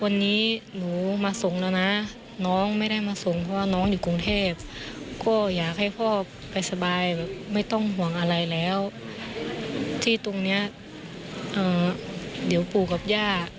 เดี๋ยวหนูจะคอยเวียนไปเที่ยวหาท่านบ่อย